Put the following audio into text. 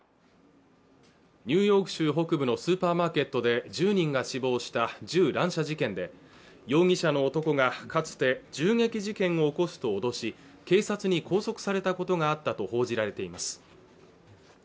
ニューヨーク州北部のスーパーマーケットで１０人が死亡した銃乱射事件で容疑者の男がかつて銃撃事件を起こすと脅し警察に拘束されたことがあったと報じられています